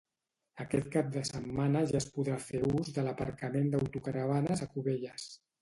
Aquest cap de setmana ja es podrà fer ús de l'aparcament d'autocaravanes a Cubelles.